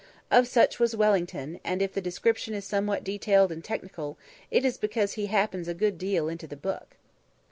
Of such was Wellington, and if the description is somewhat detailed and technical it is because he happens a good deal into the book.